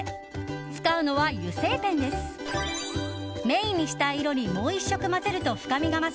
使うのは油性ペンです。